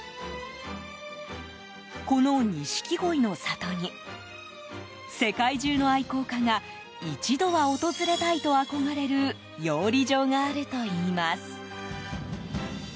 この錦鯉の里に世界中の愛好家が一度は訪れたいと憧れる養鯉場があるといいます。